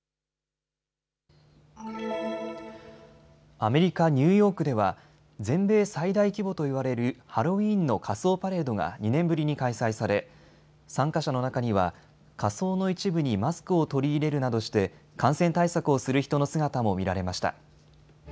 アメリカ・ニューヨークでは全米最大規模と言われるハロウィーンの仮装パレードが２年ぶりに開催され参加者の中には仮装の一部にマスクを取り入れるなどして感染対策をする人の姿も見られました。